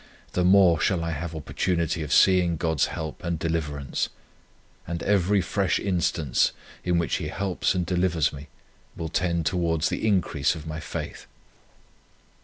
the more shall I have opportunity of seeing God's help and deliverance; and every fresh instance, in which He helps and delivers me, will tend towards the increase of my faith.